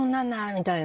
みたいな。